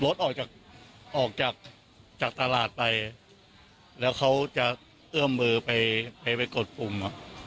รถออกจากออกจากจากตลาดไปแล้วเขาจะเอื้อมมือไปไปกดปุ่มอ่ะ